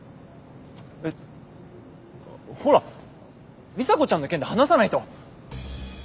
えっほら里紗子ちゃんの件で話さないと。